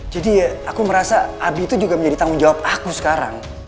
jadi ya aku merasa abi itu juga menjadi tanggung jawab aku sekarang